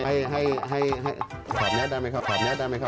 ให้ขับแยะได้ไหมครับขับแยะได้ไหมครับ